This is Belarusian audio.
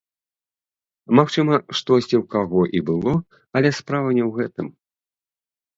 Магчыма, штосьці ў каго і было, але справа не ў гэтым.